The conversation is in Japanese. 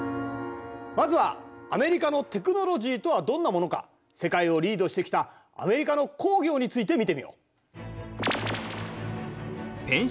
まずはアメリカのテクノロジーとはどんなものか世界をリードしてきたアメリカの工業について見てみよう。